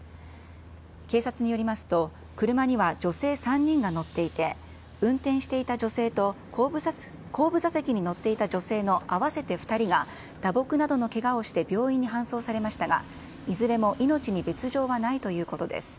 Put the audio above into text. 警察によりますと、車には女性３人が乗っていて、運転していた女性と後部座席に乗っていた女性の合わせて２人が打撲などのけがをして病院に搬送されましたが、いずれも命に別状はないということです。